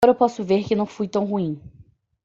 Agora eu posso ver que não foi tão ruim.